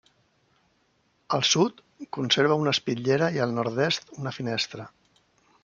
Al sud conserva una espitllera i al nord-est una finestra.